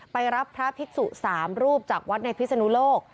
ไปรับพระพิสุสามรูปจากวัดในพิสนุโลก